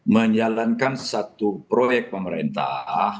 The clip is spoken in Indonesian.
menjalankan satu proyek pemerintah